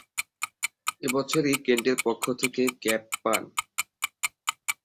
এ বছরই কেন্টের পক্ষ থেকে ক্যাপ পান।